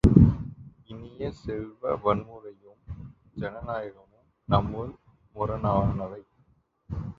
இனிய செல்வ, வன்முறையும் ஜனநாயகமும் நம்முள் முரணானவை!